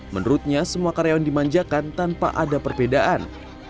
menurutnya semua karyawan dimanjakan tanpa ada perbedaan